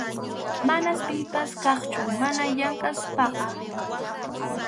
Mana pipas kaqchu mana llamk’aspaqa.